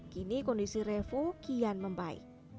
kini kondisi revo kian membaik